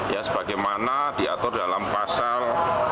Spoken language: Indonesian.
ya sebagaimana diatur dalam pasal